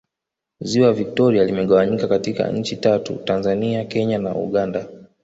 Ziwa Victoria limegawanyika katika Nchi tatu Tanzania Kenya na Uganda